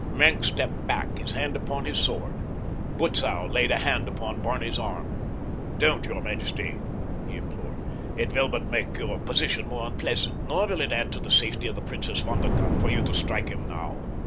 Maenck stepped back, his hand upon his sword. Butzow laid a hand upon Barney's arm. "Don't, your majesty," he implored, "it will but make your position more unpleasant, nor will it add to the safety of the Princess von der Tann for you to strike him now."